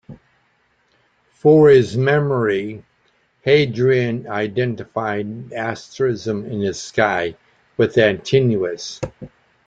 For his memory Hadrian identified an asterism in the sky with Antinous.